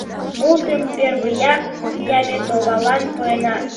— Мутым первыяк Яметовалан пуэна.